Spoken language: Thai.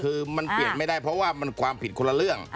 คือมันเปลี่ยนไม่ได้เพราะว่ามันความผิดคนละเรื่อง